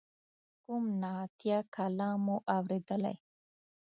کوم نعتیه کلام مو اوریدلی.